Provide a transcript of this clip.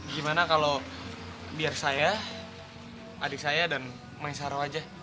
gimana kalau biar saya adik saya dan main sarawa aja